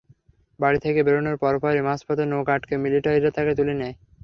বাড়ি থেকে বেরোনোর পরপরই মাঝপথে নৌকা আটকে মিলিটারিরা তাকে তুলে নেয়।